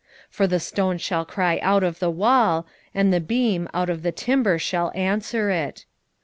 2:11 For the stone shall cry out of the wall, and the beam out of the timber shall answer it.